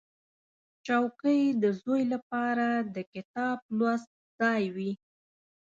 چوکۍ د زوی لپاره د کتاب لوست ځای وي.